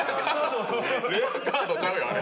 レアカードちゃうよあれ。